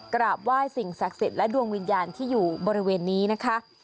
กราบไหว้สิ่งศักดิ์สิทธิ์และดวงวิญญาณที่อยู่บริเวณนี้นะคะ